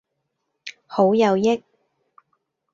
好有益